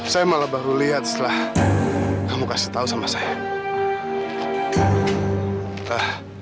saya malah baru lihat setelah kamu kasih tahu sama saya